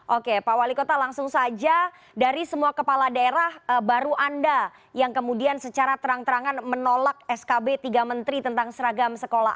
oke pak wali kota langsung saja dari semua kepala daerah baru anda yang kemudian secara terang terangan menolak skb tiga menteri tentang seragam sekolah